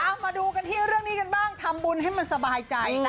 มาดูเรื่องนี้กันบ้างทำบุญให้มันสบายใจ